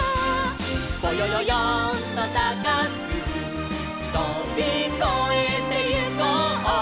「ぼよよよんとたかくとびこえてゆこう」